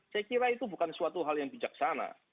saya kira itu bukan suatu hal yang bijaksana